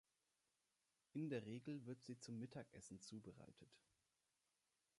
In der Regel wird sie zum Mittagessen zubereitet.